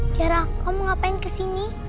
tiara kamu ngapain kesini